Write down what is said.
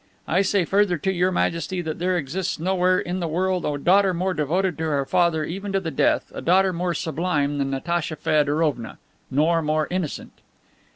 I say further to Your Majesty that there exists nowhere in the world a daughter more devoted to her father, even to the death, a daughter more sublime than Natacha Feodorovna, nor more innocent."